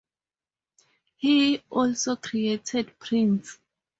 He also created prints.